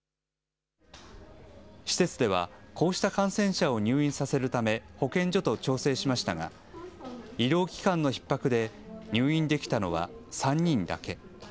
施設ではこうした感染者を入院させるため、保健所と調整しましたが、医療機関のひっ迫で入院できたのは３人だけ。